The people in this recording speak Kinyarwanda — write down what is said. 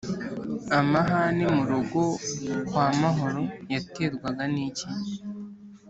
amahane mu rugo kwa mahoro yaterwaga n’iki’